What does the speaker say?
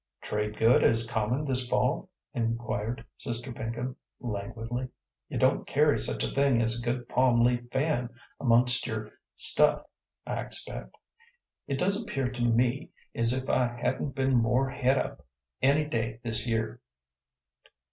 "Trade good as common this fall?" inquired Sister Pinkham languidly. "You don't carry such a thing as a good palm leaf fan amon'st your stuff, I expect? It does appear to me as if I hadn't been more het up any day this year."